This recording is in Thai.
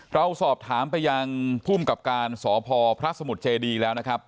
เราสอบถามไปยังภูมิกับการสพพระสมุทรเจดีแล้วนะครับ